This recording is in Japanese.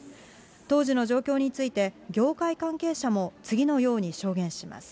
当時の状況について業界関係者も次のように証言します。